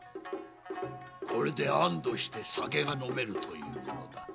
これで安堵して酒が呑めるというものだ。